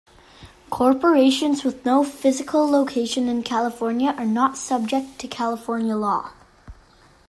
Corporations with no physical locations in California are not subject to California law.